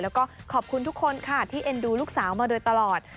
แล้วก็ขอบคุณทุกคนค่ะที่เอ็นดูลูกสาวมาโดยตลอด